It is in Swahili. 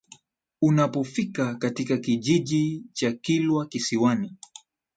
Unapofika katika kijiji cha Kilwa Kisiwani